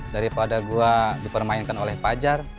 daripada gue dipermainkan oleh pajar